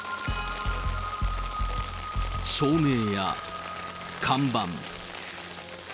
照明や看板。